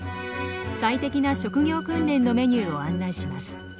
最適な職業訓練のメニューを案内します。